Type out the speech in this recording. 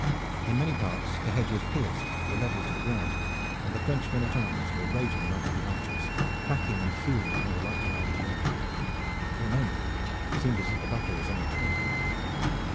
In many parts the hedge was pierced or leveled to the ground, and the French men at arms were raging amongst the archers, hacking and hewing among the lightly armed men. For a moment it seemed as if the battle was on the turn.